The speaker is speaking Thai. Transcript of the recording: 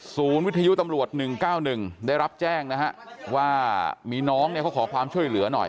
วิทยุตำรวจ๑๙๑ได้รับแจ้งนะฮะว่ามีน้องเนี่ยเขาขอความช่วยเหลือหน่อย